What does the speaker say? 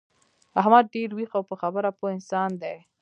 احمد ډېر ویښ او په خبره پوه انسان دی.